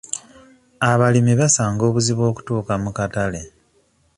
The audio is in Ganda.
Abalimi basanga obuzibu okutuuka mu katale.